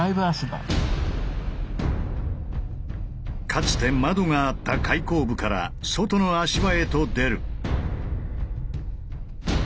かつて窓があった開口部から外の足場へと出る。